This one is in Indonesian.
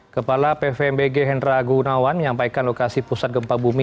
kepala pvmbg hendra agunawan menyampaikan lokasi pusat gempa bumi